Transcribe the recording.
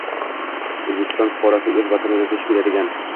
O‘zbekiston fuqarosi o‘z vatanida duch keladigan